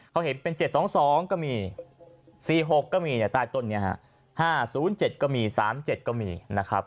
เขาเห็นเป็น๗๒๒ก็มี๔๖ก็มีใต้ต้นนี้๕๐๗ก็มี๓๗ก็มีนะครับ